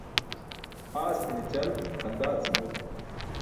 Aastiṅe ćal xaṅdaa ce mul.